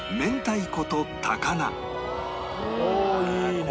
おおいいねえ。